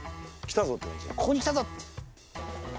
ここに来たぞって。